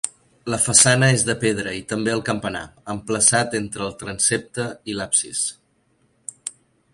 La façana és de pedra, i també el campanar, emplaçat entre el transsepte i l'absis.